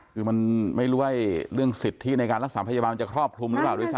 คือมันไม่รู้ว่าเรื่องสิทธิในการรักษาพยาบาลมันจะครอบคลุมหรือเปล่าด้วยซ